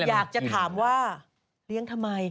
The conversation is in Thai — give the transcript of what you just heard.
อยากจะถามว่าเลี้ยงทำไม